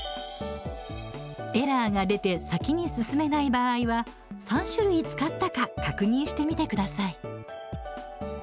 エラーが出て先に進めない場合は３種類使ったか確認してみてください。